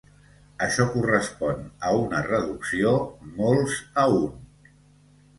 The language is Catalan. Això correspon a una reducció molts-a-un.